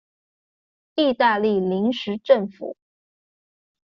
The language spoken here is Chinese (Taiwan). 義大利臨時政府